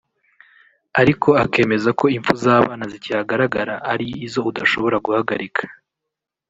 ariko akemeza ko impfu z’abana zikihagaragara ari izo udashobora guhagarika